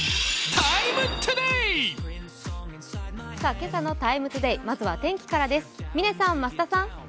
今朝の「ＴＩＭＥ，ＴＯＤＡＹ」、まずは天気からです。